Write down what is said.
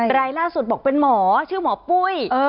รายล่าสุดบอกเป็นหมอชื่อหมอปุ้ย